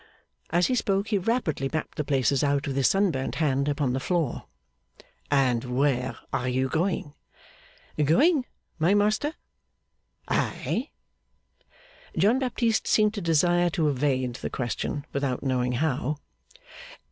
As he spoke, he rapidly mapped the places out with his sunburnt hand upon the floor. 'And where are you going?' 'Going, my master?' 'Ay!' John Baptist seemed to desire to evade the question without knowing how.